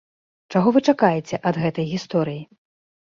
Чаго вы чакаеце ад гэтай гісторыі?